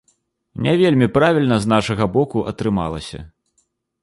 Не вельмі правільна з нашага боку атрымалася.